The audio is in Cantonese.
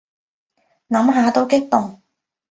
諗下都激動